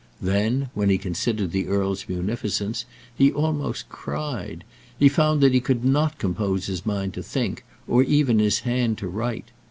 Then, when he considered the earl's munificence, he almost cried. He found that he could not compose his mind to think, or even his hand to write.